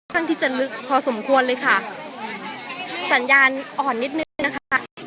ข้างที่จะลึกพอสมควรเลยค่ะสัญญาณอ่อนนิดนึงนะคะ